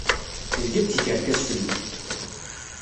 Tezga d tikerkas fell-i.